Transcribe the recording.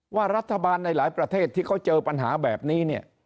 ว่ารัฐบาลในหลายประเทศที่เขาเจอปัญหาแบบนี้เนี่ย